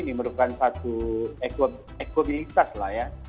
ini merupakan satu ekobilitas lah ya